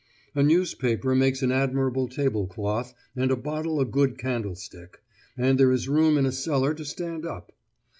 A newspaper makes an admirable tablecloth, and a bottle a good candlestick, and there is room in a cellar to stand up.